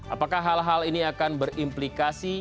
apakah hal hal ini akan berimplikasi